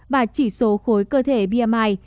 và chỉ số khối cơ thể bmi